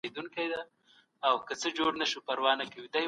د ښكلي سولي